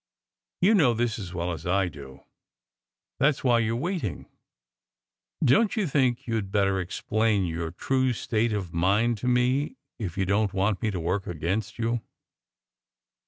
"You know this as well as I do. That s why you re waiting. Don t you think you d better explain your true state of mind to me, if you don t want me to work against you?"